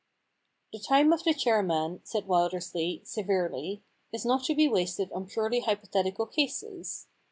* The time of the chairman,' said Wildersley, severely, * is not to be wasted on purely hypo thetical cases.